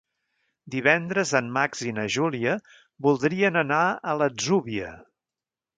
Divendres en Max i na Júlia voldrien anar a l'Atzúbia.